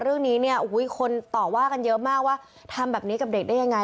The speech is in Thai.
เรื่องนี้เนี่ยคนต่อว่ากันเยอะมากว่าทำแบบนี้กับเด็กได้ยังไง